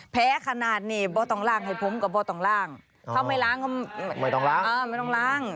แพ้ขนาดนี่บ่ต้องล่างให้ผมก็บ่ต้องล่างเขาไม่ล้างก็ไม่ต้องล้าง